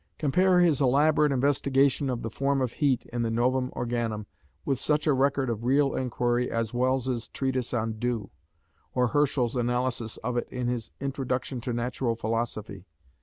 Compare his elaborate investigation of the "Form of Heat" in the Novum Organum, with such a record of real inquiry as Wells's Treatise on Dew, or Herschel's analysis of it in his Introduction to Natural Philosophy.